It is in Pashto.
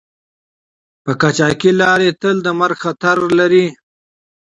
په قاچاقي لارو تل د مرګ خطر لری